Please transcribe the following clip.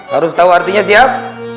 harus tahu artinya siap